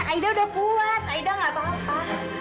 aida udah puat aida nggak apa apa